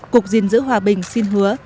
cục diên dữ hòa bình xin hứa